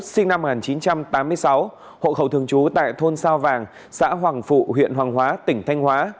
trương hoàng vũ sinh năm một nghìn chín trăm tám mươi sáu hộ khẩu thường trú tại thôn sao vàng xã hoàng phụ huyện hoàng hóa tỉnh thanh hóa